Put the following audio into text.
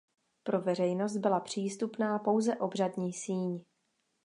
Pro veřejnost byla přístupná pouze obřadní síň.